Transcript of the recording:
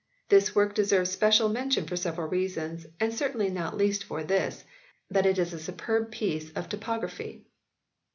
This work deserves special mention for several reasons, and certainly not least for this, that it is a superb piece of typography.